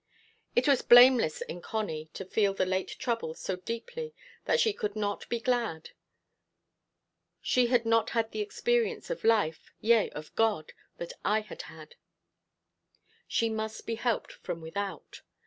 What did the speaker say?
It was blameless in Connie to feel the late trouble so deeply that she could not be glad: she had not had the experience of life, yea, of God, that I had had; she must be helped from without.